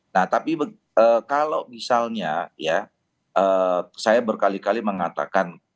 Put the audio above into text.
nah tapi kalau misalnya ya saya berkali kali mengatakan